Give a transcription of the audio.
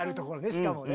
しかもね。